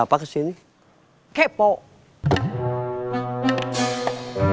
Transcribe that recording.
ayo kita yakin parkiran mereka